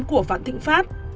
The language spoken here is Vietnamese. của vạn thịnh pháp